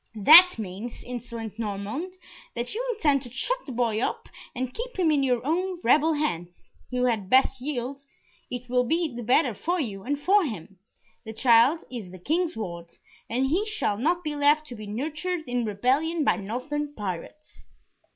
"That means, insolent Norman, that you intend to shut the boy up and keep him in your own rebel hands. You had best yield it will be the better for you and for him. The child is the King's ward, and he shall not be left to be nurtured in rebellion by northern pirates."